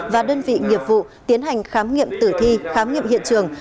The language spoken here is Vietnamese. và đơn vị nghiệp vụ tiến hành khám nghiệm tử thi khám nghiệm hiện trường